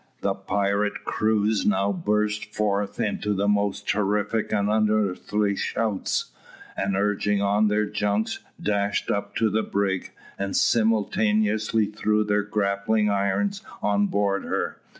The pirate crews now burst forth into the most terrific and unearthly shouts, and, urging on their junks, dashed up to the brig, and simultaneously threw their grappling irons on board her.